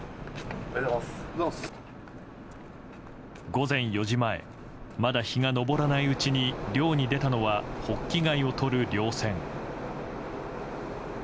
午前４時前まだ日が昇らないうちに漁に出たのはホッキ貝をとる漁船。